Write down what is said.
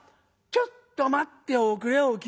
ちょっと待っておくれお清。